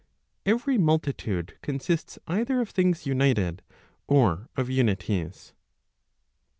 Every multitude consists either of things united, or of unities.